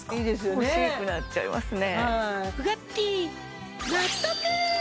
欲しくなっちゃいますね